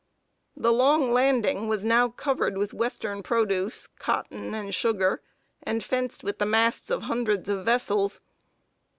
The long landing was now covered with western produce, cotton, and sugar, and fenced with the masts of hundreds of vessels.